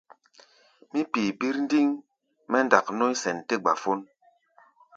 Wí pí̧ birndiŋ mɛ́ ndak nɔ̧́í̧ sɛn tɛ́ gbafón.